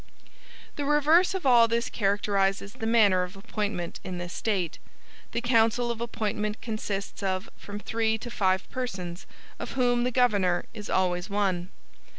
The reverse of all this characterizes the manner of appointment in this State. The council of appointment consists of from three to five persons, of whom the governor is always one.